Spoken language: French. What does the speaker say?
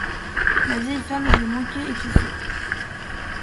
La vieille femme avait manqué étouffer.